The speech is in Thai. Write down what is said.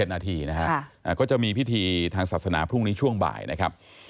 นาทีนะฮะก็จะมีพิธีทางศาสนาพรุ่งนี้ช่วงบ่ายนะครับ